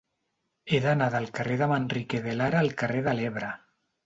He d'anar del carrer de Manrique de Lara al carrer de l'Ebre.